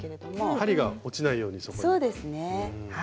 針が落ちないようにそこには。